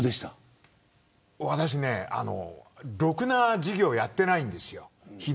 私、ろくな授業をやってないんですよ。